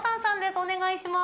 お願いします。